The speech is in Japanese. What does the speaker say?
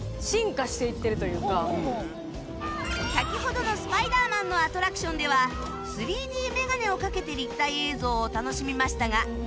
先ほどの『スパイダーマン』のアトラクションでは ３Ｄ メガネをかけて立体映像を楽しみましたが